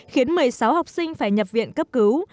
khiến một mươi sáu học sinh phải nhập viện cấp cứu